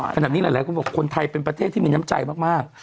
สำหรับนี้หลายคนไทยเป็นประเทศที่มีน้ำใจมาก